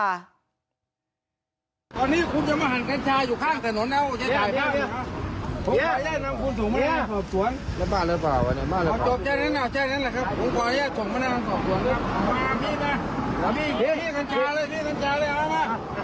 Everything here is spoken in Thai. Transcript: มาพี่มาพี่ขัญญาเลยพี่ขัญญาเลยเอามา